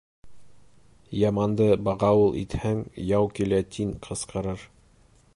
Яманды бағауыл итһәң, «яу килә» тин ҡысҡырыр.